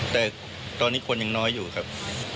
แต่ตอนนี้คนยังน้อยอยู่ครับ